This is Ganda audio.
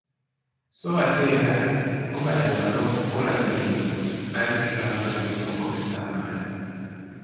So ate era gubayamba n’okukola dduyiro anti tulaba nga mulimu okukozesa amaanyi.